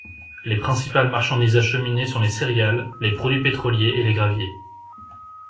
Les principales marchandises acheminées sont les céréales, les produits pétroliers et les graviers.